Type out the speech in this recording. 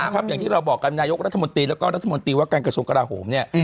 อย่างที่เราบอกกับนายกรัฐมนตรีแล้วก็รัฐมนตรีวัฒนากระชุมกระโหมเนี่ย